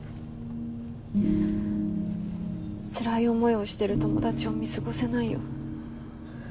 つらい思いをしてる友達を見過ごせないよ。